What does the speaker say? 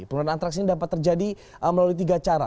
penggunaan antraks ini dapat terjadi melalui tiga cara